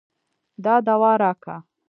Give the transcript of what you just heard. دا دوا راکه.